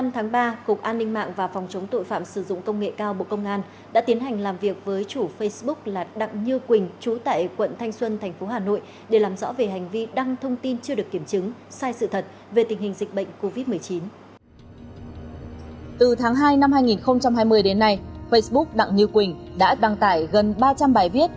từ năm hai nghìn hai mươi đến nay facebook đặng như quỳnh đã đăng tải gần ba trăm linh bài viết